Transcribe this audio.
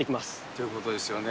ということですよね。